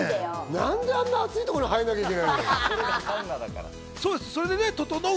なんであんな熱いところに入らなきゃいけない？